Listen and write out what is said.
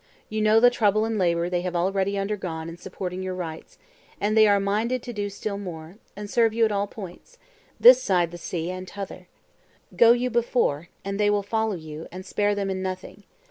You know the trouble and labor they have already undergone in supporting your rights; and they are minded to do still more, and serve you at all points, this side the sea and t'other. Go you before, and they will follow you; and spare them in nothing.